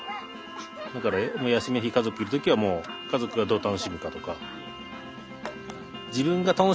だから休みの日家族いる時はもう家族がどう楽しむかとか。